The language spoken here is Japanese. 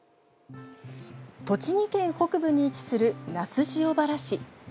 栃木県北部に位置する那須塩原市。